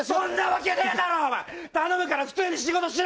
頼むから普通に仕事しろ！